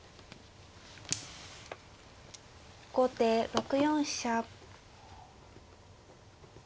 後手６四飛車。